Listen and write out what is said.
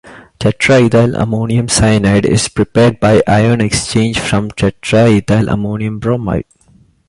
Tetraethylammonium cyanide is prepared by ion exchange from tetraethylammonium bromide.